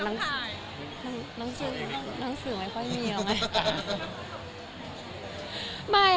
นังสื่อไม่ค่อยมี